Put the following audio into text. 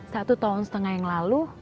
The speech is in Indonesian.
satu tahun setengah yang lalu